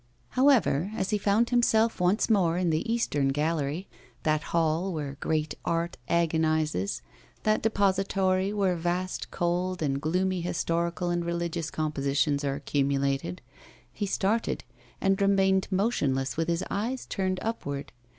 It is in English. However, as he found himself once more in the eastern gallery, that hall where great art agonises, that depository where vast, cold, and gloomy historical and religious compositions are accumulated, he started, and remained motionless with his eyes turned upward.